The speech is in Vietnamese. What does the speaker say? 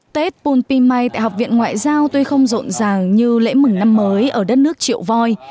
tết bum pimay tại học viện ngoại giao tuy không rộn ràng như lễ mừng năm mới ở đất nước triệu voi